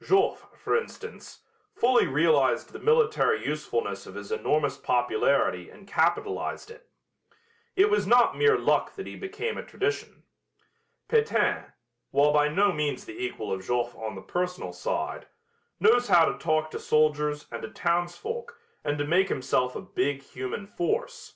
Joffre, for instance, fully realized the military usefulness of his enormous popularity and capitalized it. It was not mere luck that he became a tradition. Pétain, while by no means the equal of Joffre on the personal side, knows how to talk to soldiers and to townsfolk and to make himself a big human force.